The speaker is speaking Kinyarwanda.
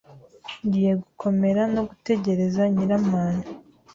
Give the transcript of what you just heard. Ngiye gukomera no gutegereza Nyiramana.